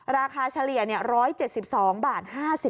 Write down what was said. ราคาเฉลี่ย๑๗๒๕๐บาท